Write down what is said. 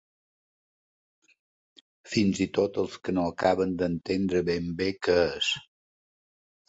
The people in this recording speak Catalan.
Fins i tot els que no acaben d'entendre ben bé què és.